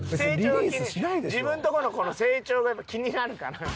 自分のとこの子の成長がやっぱ気になるから。